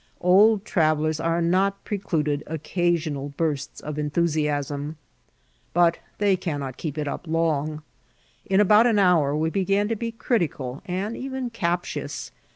Old travellers are not precluded occasional bursts of enthusiasm, but they cannot keep it up l<mg. In about an hour we began to be critical and even captious.